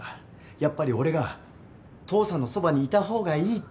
やっぱり俺が父さんのそばにいた方がいいって。